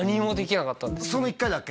その１回だけ？